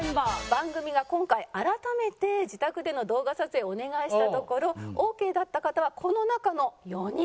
番組が今回改めて自宅での動画撮影をお願いしたところＯＫだった方はこの中の４人。